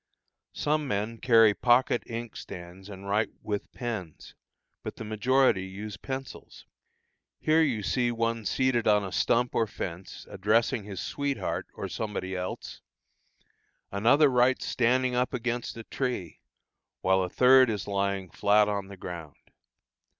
Some men carry pocket inkstands and write with pens, but the majority use pencils. Here you see one seated on a stump or fence, addressing his "sweet heart" or somebody else; another writes standing up against a tree, while a third is lying flat on the ground.